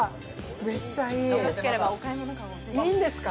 めっちゃいい！いいんですか？